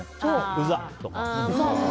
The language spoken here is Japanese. うざっ！とか。